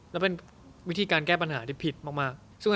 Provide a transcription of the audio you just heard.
และเป็นวิธีการแก้ปัญหาที่ผิดมาก